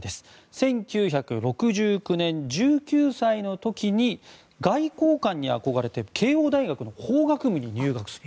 １９６９年、１９歳の時に外交官に憧れて慶応大学の法学部に入学する。